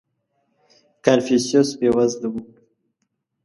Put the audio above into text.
• کنفوسیوس بېوزله و.